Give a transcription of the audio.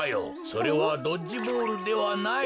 それはドッジボールではない。